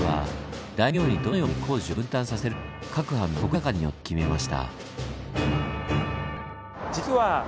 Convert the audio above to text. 各藩の石高によって決めました。